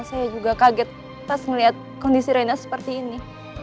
saya juga kaget pas ngelihat kondisi reyna seperti ini